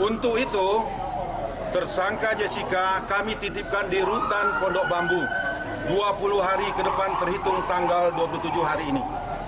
untuk itu tersangka jessica kami titipkan di rutan pondok bambu dua puluh hari ke depan terhitung tanggal dua puluh tujuh hari ini